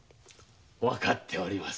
わかっております。